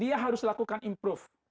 dia harus lakukan improve